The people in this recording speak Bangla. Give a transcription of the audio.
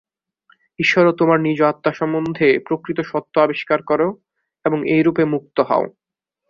ঈশ্বর ও তোমার নিজ আত্মা সম্বন্ধে প্রকৃত সত্য আবিষ্কার কর এবং এইরূপে মুক্ত হও।